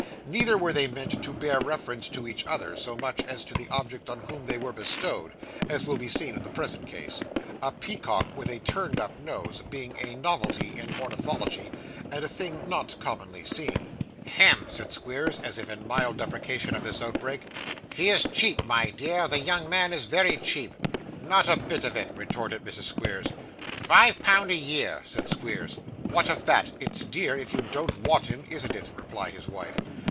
Neither were they meant to bear reference to each other, so much as to the object on whom they were bestowed, as will be seen in the present case: a peacock with a turned up nose being a novelty in ornithology, and a thing not commonly seen. 'Hem!' said Squeers, as if in mild deprecation of this outbreak. 'He is cheap, my dear; the young man is very cheap.' 'Not a bit of it,' retorted Mrs. Squeers. 'Five pound a year,' said Squeers. 'What of that; it's dear if you don't want him, isn't it?' replied his wife.